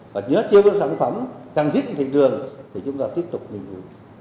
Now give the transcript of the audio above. và nếu tiêu viên sản phẩm càng thích thị trường thì chúng ta tiếp tục nghiên cứu